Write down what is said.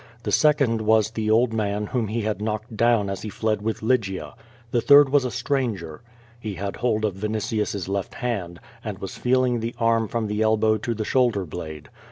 The second was the old man whom he had knocked down as he fled with Lygia. The third was a stranger. He had hold of Viniti us's left hand, and was feeling the arm from the elbow to the shoulder blade.